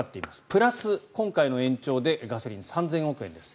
プラス今回の延長でガソリン３０００億円です。